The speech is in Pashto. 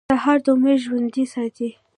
سهار د امید ژوندی ساتي.